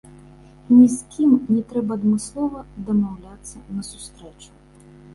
Ні з кім не трэба адмыслова дамаўляцца на сустрэчу.